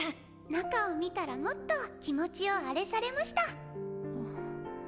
中を見たらもっと気持ちをアレされました。